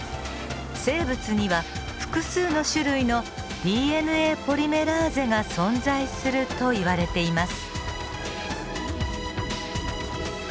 生物には複数の種類のＤＮＡポリメラーゼが存在するといわれています。